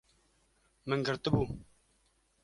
Min girtibû